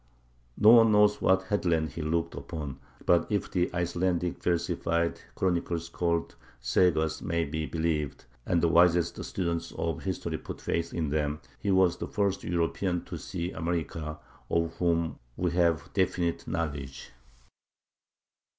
No one knows what headlands he looked upon; but if the Icelandic versified chronicles called sagas may be believed,—and the wisest students of history put faith in them,—he was the first European to see America of whom we have definite knowledge.